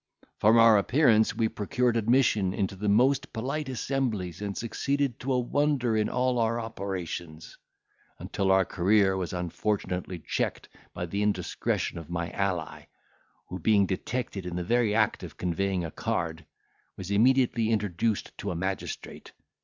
"From our appearance we procured admission into the most polite assemblies, and succeeded to a wonder in all our operations; until our career was unfortunately checked by the indiscretion of my ally, who, being detected in the very act of conveying a card, was immediately introduced to a magistrate.